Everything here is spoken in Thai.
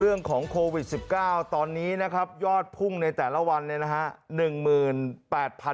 เรื่องของโควิด๑๙ตอนนี้นะครับยอดพุ่งในแต่ละวันเนี่ยนะฮะ